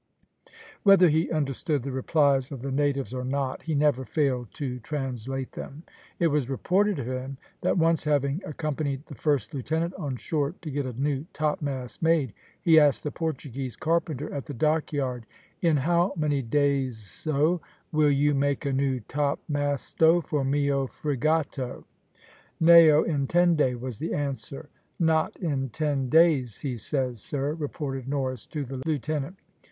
Whether he understood the replies of the natives or not, he never failed to translate them. It was reported of him that once having accompanied the first lieutenant on shore to get a new topmast made, he asked the Portuguese carpenter at the dockyard, "In how many dayso will you make a new topmasto for mio fregato?" "Nao intende," was the answer. "`Not in ten days,' he says, sir," reported Norris to the lieutenant.